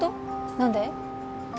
何で？